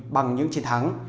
bằng những chiến thắng